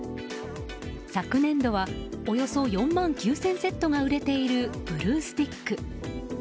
昨年度はおよそ４万９０００セットが売れているブルースティック。